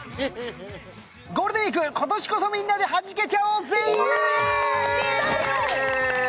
ゴールデンウイーク、今年こそみんなではじけちゃおうぜい！